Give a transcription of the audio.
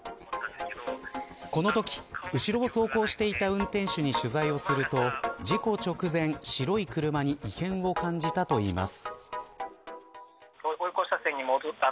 このとき、後ろを走行していた運転手に取材をすると事故直前、白い車に異変を感じたといいます。